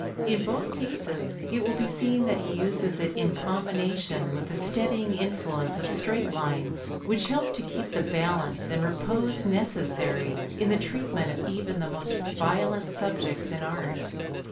In both cases it will be seen that he uses it in combination with the steadying influence of straight lines, which help to keep the balance and repose necessary in the treatment of even the most violent subjects in art.